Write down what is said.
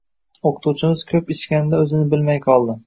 Oʻqituvchimiz koʻp ichganidan oʻzini bilmay qoldi.